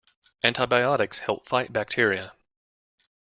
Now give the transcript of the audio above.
Antibiotics help fight bacteria.